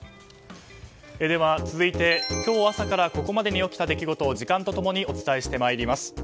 続いて、今日朝からここまでに起きた出来事を時間と共にお伝えしてまいります。